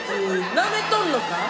なめとんのか？